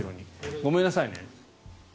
ごめんなさいね。